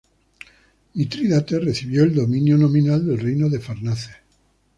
Mitrídates recibió el dominio nominal del reino de Farnaces.